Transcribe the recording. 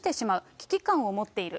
危機感を持っている。